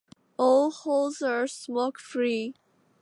All halls are smoke-free.